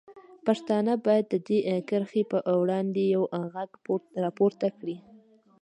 پښتانه باید د دې کرښې په وړاندې یوغږ راپورته کړي.